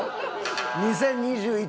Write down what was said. ２０２１